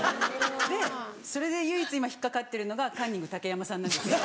でそれで唯一今引っ掛かってるのがカンニング竹山さんなんですけど。